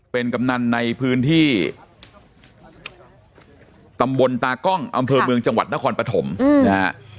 เป็นกำนันในพื้นที่ตำบลตากล้องอำเภอเมืองจังหวัดนครปฐมนะฮะ